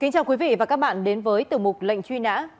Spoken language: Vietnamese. kính chào quý vị và các bạn đến với tử mục lệnh truy nã